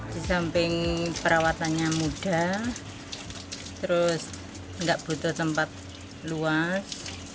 di samping perawatannya mudah terus nggak butuh tempat luas